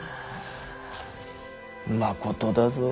まことだぞ。